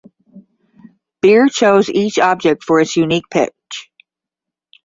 Beer chose each object for its unique pitch.